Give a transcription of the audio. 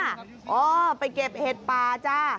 อ่าไปเก็บเห็ดปลาจ้ะ